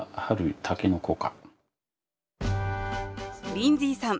リンズィーさん